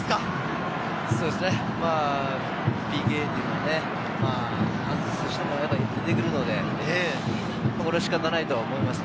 ＰＫというのはね、外す人も出てくるので、これは仕方がないと思います。